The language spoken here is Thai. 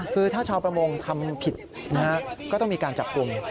คือถ้าชาวประมงทำผิดนะฮะก็ต้องมีการจับกลุ่ม